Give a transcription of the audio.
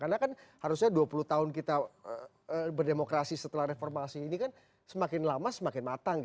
karena kan harusnya dua puluh tahun kita berdemokrasi setelah reformasi ini kan semakin lama semakin matang